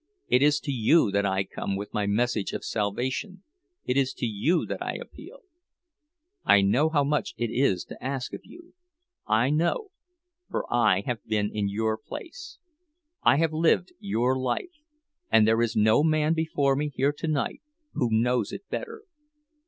It is to you that I come with my message of salvation, it is to you that I appeal. I know how much it is to ask of you—I know, for I have been in your place, I have lived your life, and there is no man before me here tonight who knows it better.